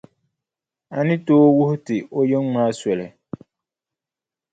A ni tooi wuhi ti o yiŋa maa soli.